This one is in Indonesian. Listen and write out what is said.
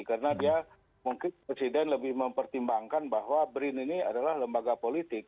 karena dia mungkin presiden lebih mempertimbangkan bahwa brin ini adalah lembaga politik